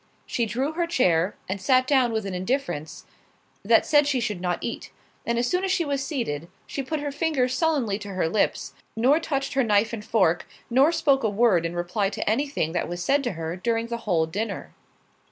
She drew her chair, and sat down with an indifference, that said she should not eat; and as soon as she was seated, she put her fingers sullenly to her lips, nor touched her knife and fork, nor spoke a word in reply to any thing that was said to her during the whole dinner.